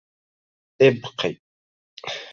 ابق!